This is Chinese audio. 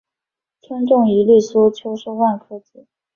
春种一粒粟，秋收万颗子。